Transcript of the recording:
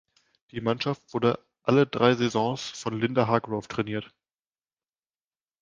Die Mannschaft wurde alle drei Saisons von Linda Hargrove trainiert.